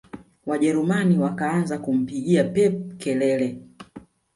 wajerumani wakaanza kumpigia pep kelele